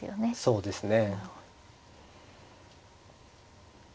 そうですね。